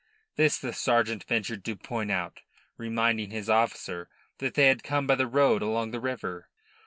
This the sergeant ventured to point out, reminding his officer that they had come by the road along the river.